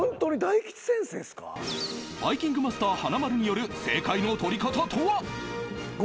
バイキングマスター華丸による正解の取り方とは？